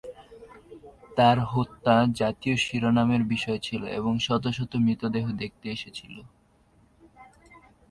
তার হত্যা জাতীয় শিরোনামের বিষয় ছিল এবং শত শত মৃতদেহ দেখতে এসেছিল।